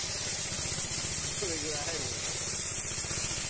どれぐらい入るもんかね。